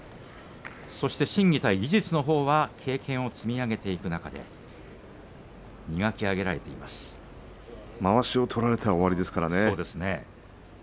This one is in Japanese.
そして心技体、技術のほうが経験を積み上げていく中でまわしを取られたら終わりですからね。